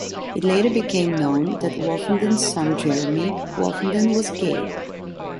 It later became known that Wolfenden's son Jeremy Wolfenden was gay.